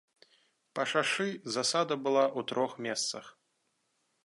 Па шашы засада была ў трох месцах.